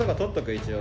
一応。